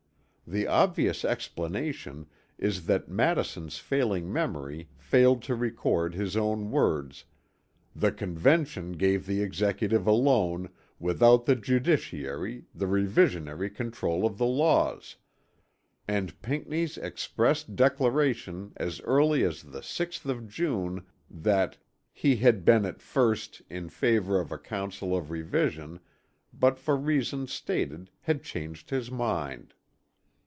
The obvious explanation is that Madison's failing memory failed to record his own words, "the Convention gave the executive alone, without the judiciary, the revisionary control of the laws," and Pinckney's express declaration as early as the 6th of June that "he had been at first" in favor of a council of revision but for reasons stated had changed his mind.